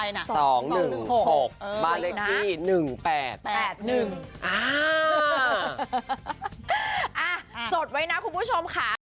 จดไว้นะคุณผู้ชมค่ะ